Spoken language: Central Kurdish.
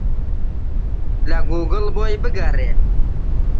لە گووگڵ بۆی بگەڕێ.